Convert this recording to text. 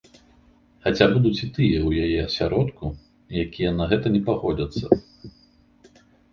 Хаця будуць і тыя ў яе асяродку, якія на гэта не пагодзяцца.